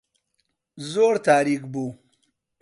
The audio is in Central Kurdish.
زۆر تاریک بوو.